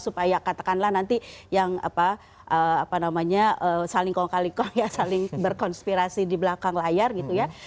supaya katakanlah nanti yang saling kong kali kong ya saling berkonspirasi di belakang layar gitu ya